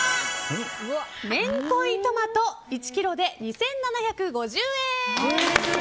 めんこいトマト１ｋｇで２７５０円。